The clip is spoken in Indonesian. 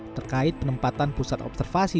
terkait penempatan pusat observasi